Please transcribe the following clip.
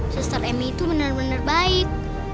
sester emi itu benar benar baik